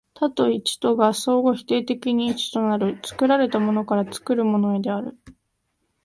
多と一とが相互否定的に一となる、作られたものから作るものへである。